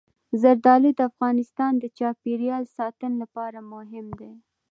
زردالو د افغانستان د چاپیریال ساتنې لپاره مهم دي.